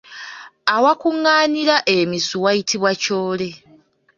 Awakuŋŋaanira emisu wayitibwa kyole.